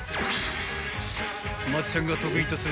［松ちゃんが得意とする］